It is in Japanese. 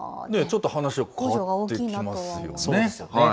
ちょっと話は変わってきますよね。